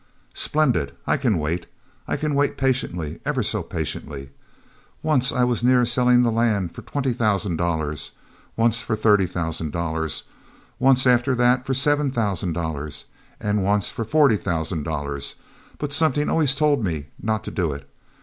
"Splendid! I can wait. I can wait patiently ever so patiently. Once I was near selling the land for twenty thousand dollars; once for thirty thousand dollars; once after that for seven thousand dollars; and once for forty thousand dollars but something always told me not to do it.